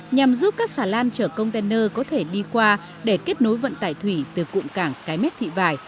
nhằm giúp các xà lan chở container có thể đi qua để kết nối vận tài thủy từ cụm cảng cái mét thị vài